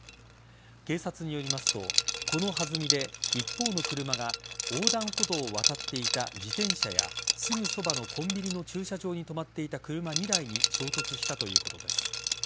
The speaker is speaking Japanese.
警察によりますと、この弾みで一方の車が横断歩道を渡っていた自転車やすぐそばのコンビニの駐車場に止まっていた車２台に衝突したということです。